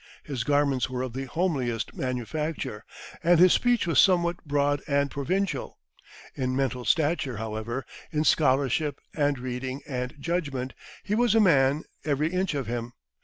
His garments were of the homeliest manufacture, and his speech was somewhat broad and provincial. In mental stature, however, in scholarship and reading and judgment, he was a man, every inch of him.